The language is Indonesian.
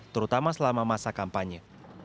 terutama selama masa kampanye